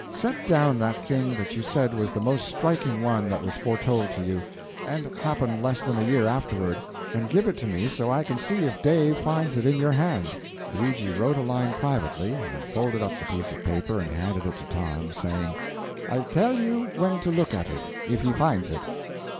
Set down that thing that you said was the most striking one that was foretold to you, and happened less than a year afterward, and give it to me so I can see if Dave finds it in your hand." Luigi wrote a line privately, and folded up the piece of paper, and handed it to Tom, saying "I'll tell you when to look at it, if he finds it."